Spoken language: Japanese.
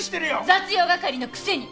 雑用係のくせに！